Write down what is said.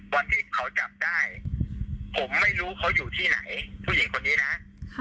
วันที่เขาจับได้ผมไม่รู้เขาอยู่ที่ไหนผู้หญิงคนนี้นะ